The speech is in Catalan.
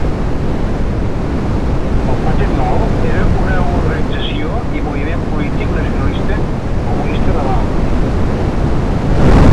El Pathet Lao era una organització i moviment polític nacionalista comunista de Laos.